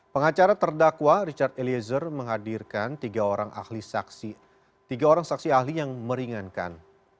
pengacara terdakwa richard eliezer menghadirkan tiga orang saksi ahli yang meringankan